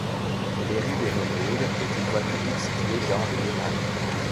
La rue des Renaudes est une voie publique située dans le de Paris.